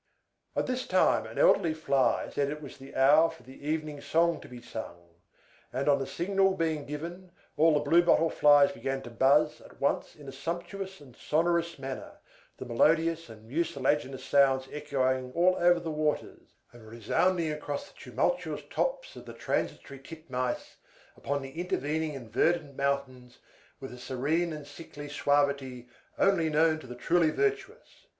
At this time, an elderly Fly said it was the hour for the evening song to be sung; and, on a signal being given, all the Blue Bottle Flies began to buzz at once in a sumptuous and sonorous manner, the melodious and mucilaginous sounds echoing all over the waters, and resounding across the tumultuous tops of the transitory titmice upon the intervening and verdant mountains with a serene and sickly suavity only known to the truly virtuous.